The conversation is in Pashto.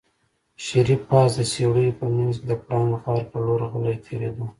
شريف پاس د څېړيو په منځ کې د پړانګ غار په لور غلی تېرېده.